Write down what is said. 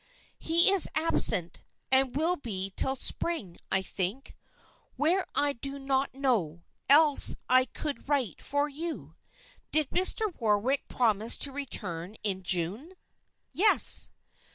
"He is absent, and will be till spring, I think. Where I do not know, else I could write for you. Did Mr. Warwick promise to return in June?" "Yes."